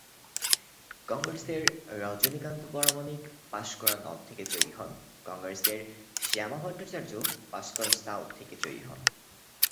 কংগ্রেসের রজনীকান্ত প্রামাণিক পাঁশকুড়া নর্থ থেকে জয়ী হন, কংগ্রেসের শ্যামা ভট্টাচার্য পাঁশকুড়া সাউথ থেকে জয়ী হন।